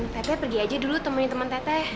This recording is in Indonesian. tete pergi aja dulu temenin temen teteh